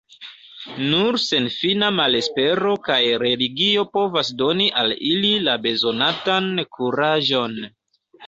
Nur senfina malespero kaj religio povas doni al ili la bezonatan kuraĝon.